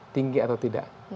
tinggi atau tidak